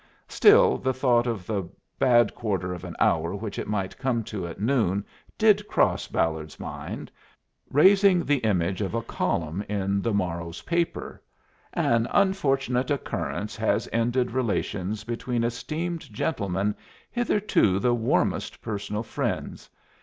Still, the thought of the bad quarter of an hour which it might come to at noon did cross Ballard's mind, raising the image of a column in the morrow's paper: "An unfortunate occurrence has ended relations between esteemed gentlemen hitherto the warmest personal friends....